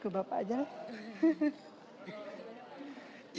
ke bapak aja lah